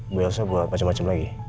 bu elsa buat macem macem lagi